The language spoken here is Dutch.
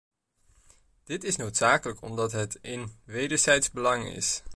Dit is noodzakelijk omdat het in wederzijds belang is.